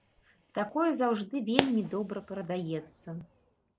Такое заўжды вельмі добра прадаецца.